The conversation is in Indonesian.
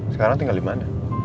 sekarang tinggal di mana